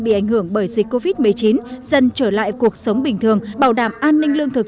bị ảnh hưởng bởi dịch covid một mươi chín dân trở lại cuộc sống bình thường bảo đảm an ninh lương thực